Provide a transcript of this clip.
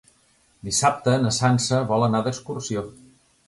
Dissabte na Sança vol anar d'excursió.